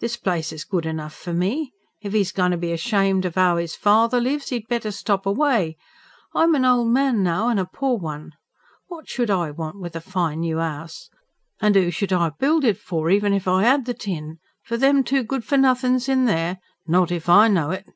This place is good enough for me. If 'e's goin' to be ashamed of 'ow 'is father lives, 'e'd better stop away. I'm an ol' man now, an' a poor one. What should I want with a fine noo 'ouse? An' 'oo should I build it for, even if I 'ad the tin? For them two good for nothin's in there? Not if I know it!"